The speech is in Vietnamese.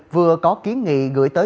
vừa có kiến nghị gửi tới